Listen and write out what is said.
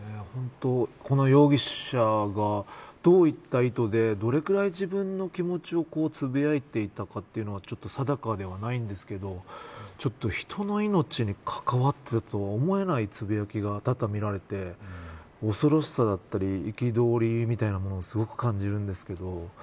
この容疑者がどういった意図でどのくらい自分の気持ちをつづっていたかというのは定かではないんですけど人の命に関わるとは思えないつぶやきがみられて恐ろしさだったり憤りみたいなものをすごく感じます。